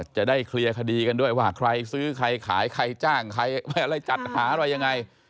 จะได้เคลียร์คดีกันด้วยว่าใครซื้อใครขายใครจ้างใครอะไรจัดหาอะไรยังไง